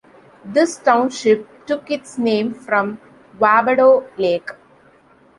This township took its name from Wabedo Lake.